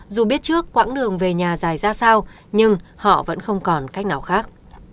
dù biết trước quãng đường về nhà dài ra sao nhưng họ vẫn không còn cách nào khác